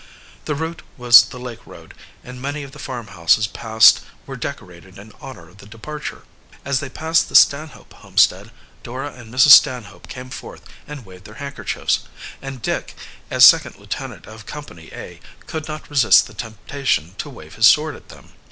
The route was the lake road, and many of the farmhouses passed were decorated in honor of the departure. As they passed the Stanhope homestead, Dora and Mrs. Stanhope came forth and waved their handkerchiefs, and Dick, as second lieutenant of Company A, could not resist the temptation to wave his sword at them.